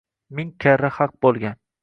ming karra haq bo‘lgan.